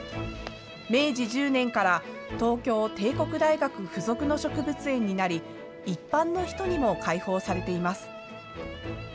明治１０年から東京帝国大学の付属の植物園になり、一般の人にも開放されています。